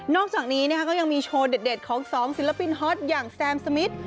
อกจากนี้ก็ยังมีโชว์เด็ดของ๒ศิลปินฮอตอย่างแซมสมิท